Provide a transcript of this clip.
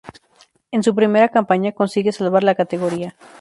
En su primera campaña consigue salvar la categoría.